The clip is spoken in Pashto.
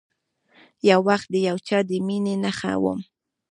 یو وخت د یو چا د میینې نښه وم